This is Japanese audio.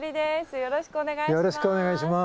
よろしくお願いします。